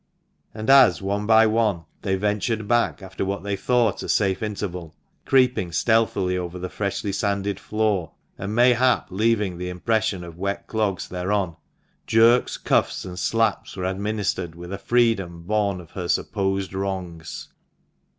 And as, one by one, they ventured back, after what they thought a safe interval, creeping stealthily over the freshly sanded floor, and mayhap leaving the THE MANCHESTER MAN. 33 impression of wet clogs thereon, jerks, cuffs, and slaps were administered with a freedom born of her supposed wrongs.